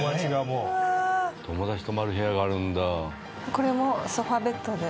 これもソファベッドで。